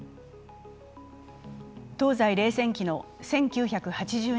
東西冷戦期の１９８０年代。